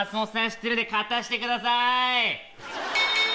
知ってるんで片してください。